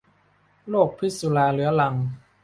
โรคพิษสุราเรื้อรัง